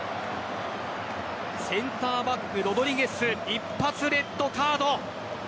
センターバック・ロドリゲス一発レッドカード。